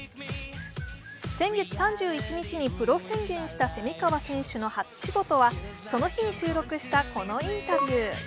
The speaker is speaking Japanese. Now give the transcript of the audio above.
先月３１日にプロ宣言した蝉川選手の初仕事はその日に収録したこのインタビュー。